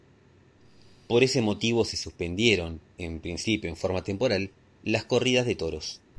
Por ese motivo se suspendieron, en principio de forma temporal, las corridas de toros.